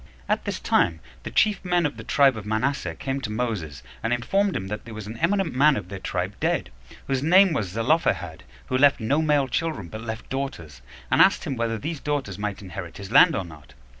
5. At this time the chief men of the tribe of Manasseh came to Moses, and informed him that there was an eminent man of their tribe dead, whose name was Zelophehad, who left no male children, but left daughters; and asked him whether these daughters might inherit his land or not.